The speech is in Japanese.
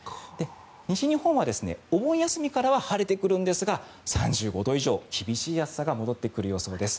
西日本はお盆休みからは晴れてくるんですが３５度以上、厳しい暑さが戻ってくる予想です。